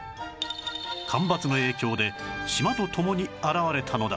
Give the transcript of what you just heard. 干ばつの影響で島と共に現れたのだ